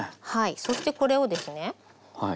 そしてこれをですね。